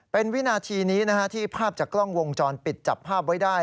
เป็นวินาทีนี้ที่ภาพจากกล้องวงจรปิดจับภาพไว้ได้